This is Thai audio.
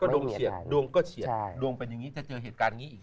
ดวงเฉียดดวงก็เฉียดดวงเป็นอย่างนี้ถ้าเจอเหตุการณ์อย่างนี้อีก